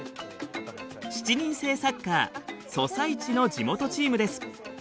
７人制サッカーソサイチの地元チームです。